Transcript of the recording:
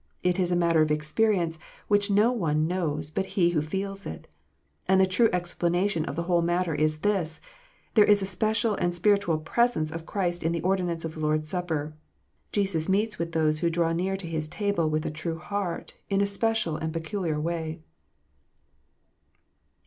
It is a matter of experience, which no one knows but he who feels it. And the true explanation of the whole matter is this, there is a special and spiritual " presence " of Christ in the ordinance of the Lord s Supper. Jesus meets those who draw near to His Table with a true heart, in a special and peculiar way.